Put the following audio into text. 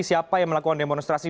siapa yang melakukan demonstrasi